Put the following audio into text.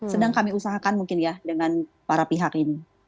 sedang kami usahakan mungkin ya dengan para pihak ini